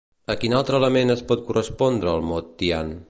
A quin altre element es pot correspondre el mot Tian?